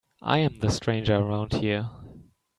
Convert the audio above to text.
I'm the stranger around here.